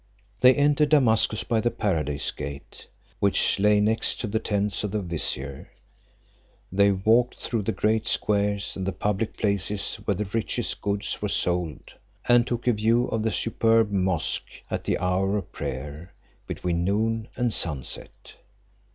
They entered Damascus by the Paradise gate, which lay next to the tents of the vizier They walked through the great squares and the public places where the richest goods were sold, and took a view of the superb mosque at the hour of prayer, between noon and sun set.